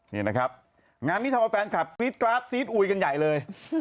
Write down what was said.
นี่นะครับงานนี้ทำเอาแฟนคลับกรี๊ดกราฟซีดอุยกันใหญ่เลย